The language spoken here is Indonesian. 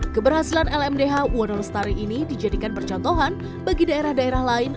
keberhasilan lmdh wonolestari ini dijadikan percontohan bagi daerah daerah lain